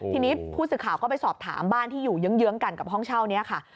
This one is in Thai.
ทีนี้ผู้สื่อข่าวก็ไปสอบถามบ้านที่อยู่เยื้องกันกับห้องเช่านี้ค่ะ